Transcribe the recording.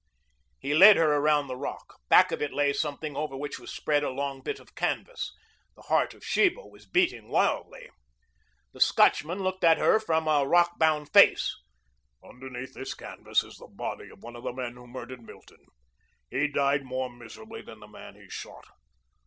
He led her around the rock. Back of it lay something over which was spread a long bit of canvas. The heart of Sheba was beating wildly. The Scotchman looked at her from a rock bound face. "Underneath this canvas is the body of one of the men who murdered Milton. He died more miserably than the man he shot.